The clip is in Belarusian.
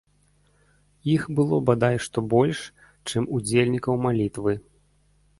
Іх было бадай што больш, чым удзельнікаў малітвы.